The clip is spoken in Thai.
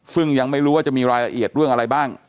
ซึ่งยังไม่รู้ว่าจะมีรายละเอียดเรื่องอะไรบ้าง